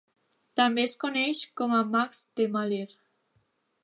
També es coneix com a Mas de Maler.